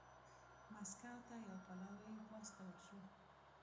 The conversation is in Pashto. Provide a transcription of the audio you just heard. مسکو ته یو پلاوی واستول شو